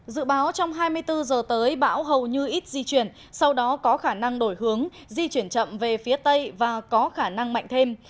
dự báo trong hai mươi bốn giờ tới bão hầu như ít di chuyển sau đó có khả năng đổi hướng di chuyển chậm về phía tây và có khả năng mạnh thêm